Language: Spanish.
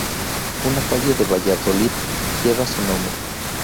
Una calle de Valladolid lleva su nombre.